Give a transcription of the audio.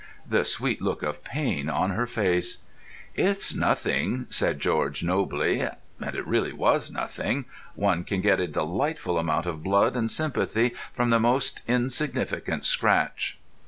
The sweet look of pain on her face! "It's nothing," said George nobly. And it really was nothing. One can get a delightful amount of blood and sympathy from the most insignificant scratch.